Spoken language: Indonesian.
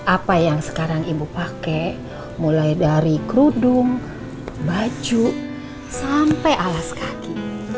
apa yang sekarang ibu pakai mulai dari kerudung baju sampai alas kaki